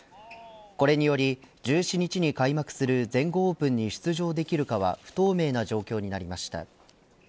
これにより１７日に開幕する全豪オープンに出場できるかは不透明な状況になりました。